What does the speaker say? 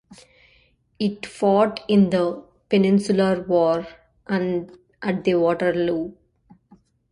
It fought in the Peninsular War and at the Waterloo.